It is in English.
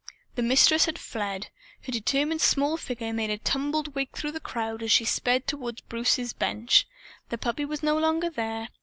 The Mistress had fled. Her determined small figure made a tumbled wake through the crowd as she sped toward Bruce's bench. The puppy was no longer there.